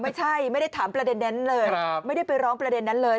ไม่ได้ถามประเด็นนั้นเลยไม่ได้ไปร้องประเด็นนั้นเลย